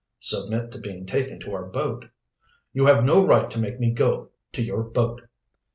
"Submit to being taken to our boat." "You have no right to make me go to your boat."